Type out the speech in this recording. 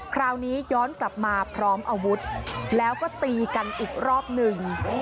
คราวนี้ย้อนกลับมาพร้อมอาวุธแล้วก็ตีกันอีกรอบหนึ่ง